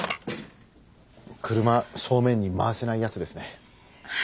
車正面に回せないやつですね。